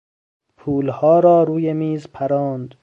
پولها را روی میز پراند.